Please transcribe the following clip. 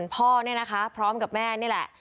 พ่อเนี่ยนะคะพร้อมกับแม่นี่แหละ